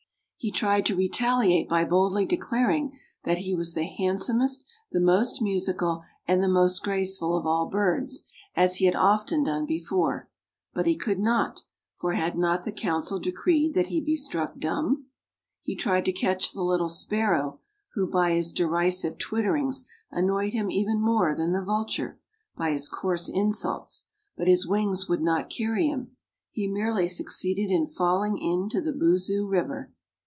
He tried to retaliate by boldly declaring that he was the handsomest, the most musical and the most graceful of all birds, as he had often done before, but he could not, for had not the council decreed that he be "struck dumb?" He tried to catch the little sparrow, who, by his derisive twitterings, annoyed him even more than the vulture, by his coarse insults, but his wings would not carry him. He merely succeeded in falling into the Boozoo river.